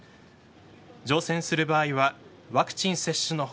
乗船する場合はワクチン接種の他